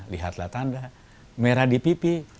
lihatlah tanda merah di pipi